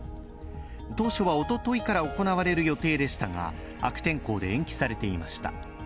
当初はおとといから行われる予定でしたが、悪天候で延期されていました。